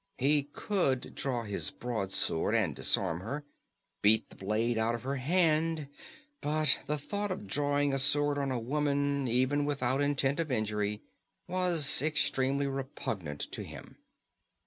He could draw his broadsword and disarm her, beat the blade out of her hand, but the thought of drawing a sword on a woman, even without intent of injury, was extremely repugnant to him.